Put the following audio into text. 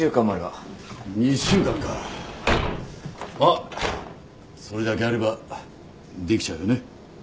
まっそれだけあればできちゃうよね？